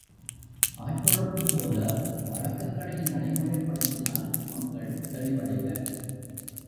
ஆற்றொழுக்குப் போல பழக்கங்களை நடைமுறைப் படுத்தினால் மக்கள் தெளிவடைவர்.